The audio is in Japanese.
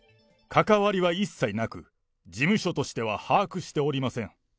関わりは一切なく、事務所としては把握しておりません。